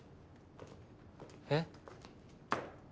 えっ？